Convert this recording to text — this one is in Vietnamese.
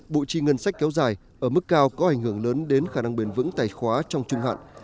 bộ chi ngân sách kéo dài ở mức cao có ảnh hưởng lớn đến khả năng bền vững tài khoá trong trung hạn